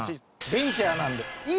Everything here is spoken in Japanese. ベンチャーなんです。